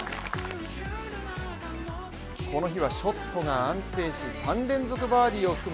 この日はショットが安定し３連続バーディを含む